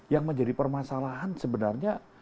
yang menjadi permasalahan sebenarnya